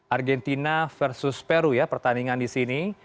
argentina versus peru ya pertandingan di sini